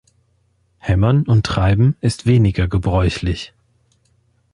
Hämmern und Treiben ist weniger gebräuchlich.